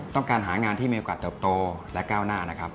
ต้องการหางานที่มีโอกาสเติบโตและก้าวหน้านะครับ